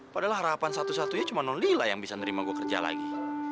padahal harapan satu satunya cuma non lila yang bisa nerima gue kerja lagi